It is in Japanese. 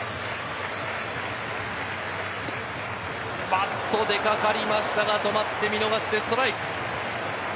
バット出かかりましたが、見逃してストライク。